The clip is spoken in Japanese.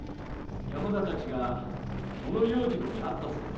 山田たちが小野要次郎に会ったそうでございます。